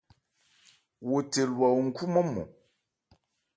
Wo the lwa wo nkhú nmɔ́nnmɔn.